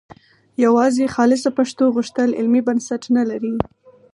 یوازې خالصه پښتو غوښتل علمي بنسټ نه لري